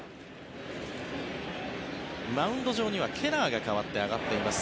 マウンド上にはケラーが代わって上がっています。